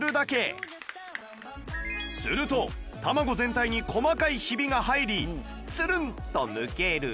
すると卵全体に細かいヒビが入りつるんと剥ける